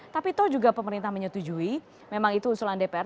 tapi toh juga pemerintah menyetujui memang itu usulan dpr